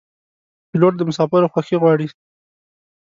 پیلوټ د مسافرو خوښي غواړي.